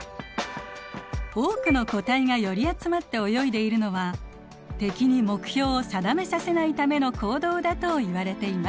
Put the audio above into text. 多くの個体が寄り集まって泳いでいるのは敵に目標を定めさせないための行動だといわれています。